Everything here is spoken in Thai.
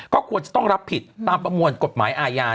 ก็ควรจะต้องรับผิดตามประมวลกฎหมายอาญา